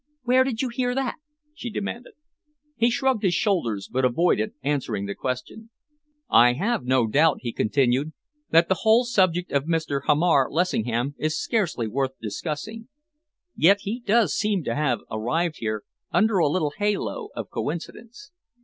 "Where did you hear that?" she demanded. He shrugged his shoulders, but avoided answering the question. "I have no doubt," he continued, "that the whole subject of Mr. Hamar Lessingham is scarcely worth discussing. Yet he does seem to have arrived here under a little halo of coincidence."